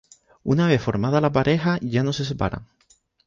Una vez formada la pareja ya no se separan.